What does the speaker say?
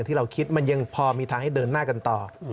ที่เราคิดมันยังพอมีทางให้เดินหน้ากันต่อ